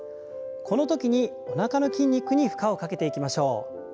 このときにおなかの筋肉に負荷をかけていきましょう。